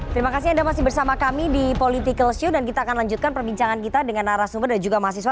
terima kasih anda masih bersama kami di political show dan kita akan lanjutkan perbincangan kita dengan arah sumber dan juga mahasiswa